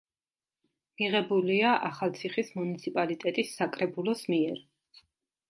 მიღებულია ახალციხის მუნიციპალიტეტის საკრებულოს მიერ.